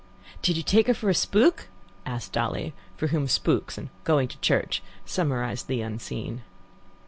"Did you take her for a spook?" asked Dolly, for whom "spooks" and "going to church" summarized the unseen.